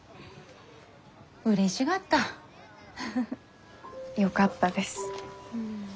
うれしがった。よかったです。